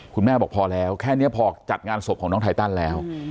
คุณแม่บอกพอแล้วแค่นี้พอจัดงานศพของน้องไทตันแล้ว